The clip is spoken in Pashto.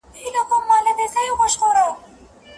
هغه څه چي له ځان سره لرئ له نورو سره یې ووېشئ.